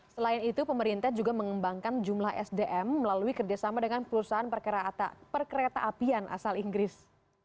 selain itu pemerintah juga mengembangkan jumlah sdm melalui kerjasama dengan perusahaan perkereta apian asal inggris